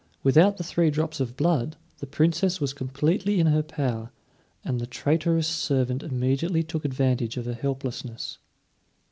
Without the three drops of blood, the Princess was completely in her power, and the traitorous servant immediately took advantage of her helplessness.